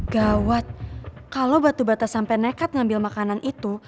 gawat kalau batu bata sampai nekat mengambil makanan itu